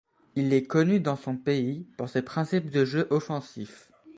Il est connu dans son pays pour ses principes de jeu offensif.